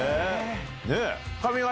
ねっ！